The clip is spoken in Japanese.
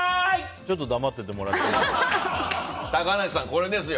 ちょっと黙っててもらえますか。